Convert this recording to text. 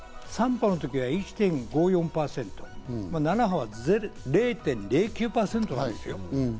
３波の時は１．５４％、７波は０．０９％なんです。